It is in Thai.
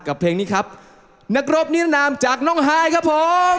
กับเพลงนี้ครับนักรบเนียนอาหารจากน้องไฮครับผม